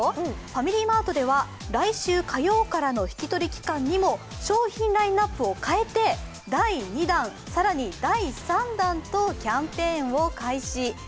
ファミリーマートでは来週火曜からの引き取り期間にも商品ラインナップを変えて第２弾、更に第３弾とキャンペーンを開始。